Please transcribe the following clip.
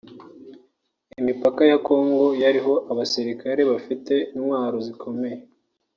Imipaka ya Congo yariho abasirikare bafite intwaro zikomeye